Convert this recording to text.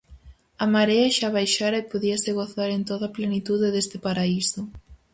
A marea xa baixara e podíase gozar en toda plenitude deste paraíso.